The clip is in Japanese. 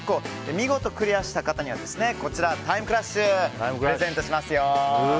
見事クリアした方にはタイムクラッシュプレゼントしますよ。